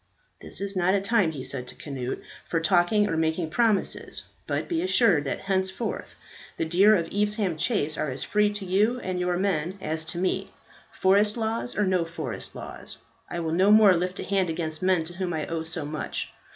"This is not a time," he said to Cnut, "for talking or making promises, but be assured that henceforth the deer of Evesham Chase are as free to you and your men as to me. Forest laws or no forest laws, I will no more lift a hand against men to whom I owe so much.